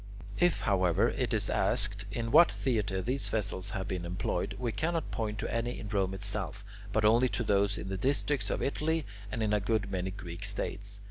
If, however, it is asked in what theatre these vessels have been employed, we cannot point to any in Rome itself, but only to those in the districts of Italy and in a good many Greek states.